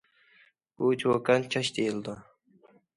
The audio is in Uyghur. بۇ چوكان چاچ دېيىلىدۇ.